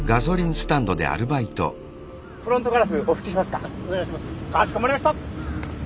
かしこまりました！